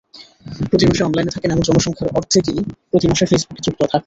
প্রতি মাসে অনলাইনে থাকেন এমন জনসংখ্যার অর্ধেকই প্রতি মাসে ফেসবুকে যুক্ত থাকছেন।